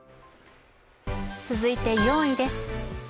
続いて４位です。